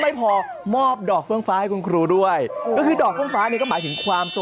ไม่พอมอบดอกเฟืองฟ้าให้คุณครูด้วยดอกเฟืองฟ้านี้ก็หมายถึงความสว่างสวาย